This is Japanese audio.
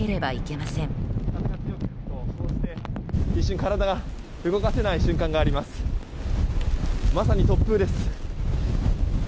まさに突風です。